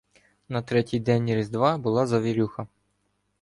На третій день Різдва була завірюха.